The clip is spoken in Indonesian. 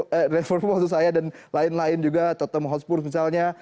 eh liverpool itu saya dan lain lain juga tottenham hotspur misalnya